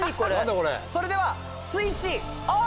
それではスイッチオン！